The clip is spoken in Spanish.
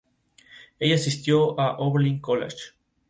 Ella asistió a Oberlin College.